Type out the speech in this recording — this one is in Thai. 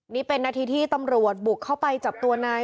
นี่เป็นนาทีที่ตำรวจบุกเข้าไปจับตัวนาย